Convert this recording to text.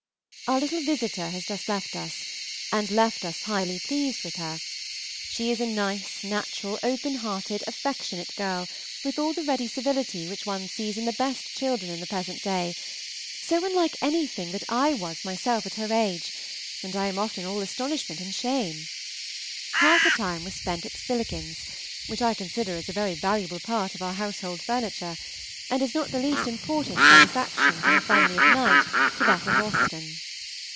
_ Our little visitor has just left us, and left us highly pleased with her; she is a nice, natural, open hearted, affectionate girl, with all the ready civility which one sees in the best children in the present day; so unlike anything that I was myself at her age, that I am often all astonishment and shame. Half her time was spent at spillikins, which I consider as a very valuable part of our household furniture, and as not the least important benefaction from the family of Knight to that of Austen.